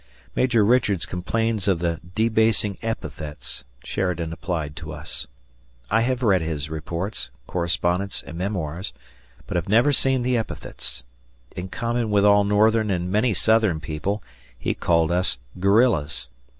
Major Richards complains of the "debasing epithets" Sheridan applied to us. I have read his reports, correspondence, and memoirs, but have never seen the epithets. In common with all northern and many southern people, he called us guerrillas.